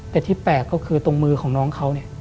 แต่ที่แปลกก็คือตรงมือของน้องเขาเนี่ย